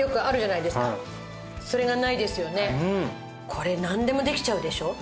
これなんでもできちゃうでしょ。